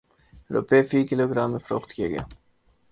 روپے فی kilogram میں فروخت کیا گیا